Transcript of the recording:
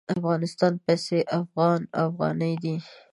د افغانستان پیسې افغان افغاني دي.